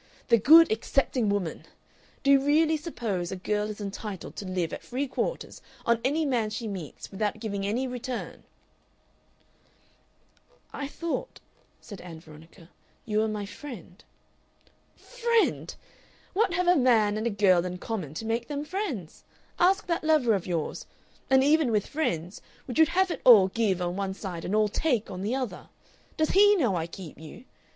The good accepting woman! Do you really suppose a girl is entitled to live at free quarters on any man she meets without giving any return?" "I thought," said Ann Veronica, "you were my friend." "Friend! What have a man and a girl in common to make them friends? Ask that lover of yours! And even with friends, would you have it all Give on one side and all Take on the other?... Does HE know I keep you?...